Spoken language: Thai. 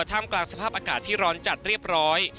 ท่ามกลางสภาพอากาศที่ร้อนจัดเรียบร้อย